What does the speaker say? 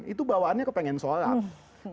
itu bawaannya kepengen sholat